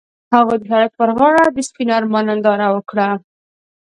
هغوی د سړک پر غاړه د سپین آرمان ننداره وکړه.